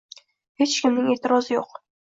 Hech kimning e'tirozi yo'q